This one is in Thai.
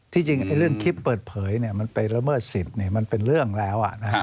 จริงเรื่องคลิปเปิดเผยมันไปละเมิดสิทธิ์มันเป็นเรื่องแล้ว